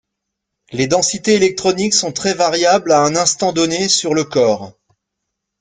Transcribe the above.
Les densités électroniques sont très variables à un instant donné sur le corps.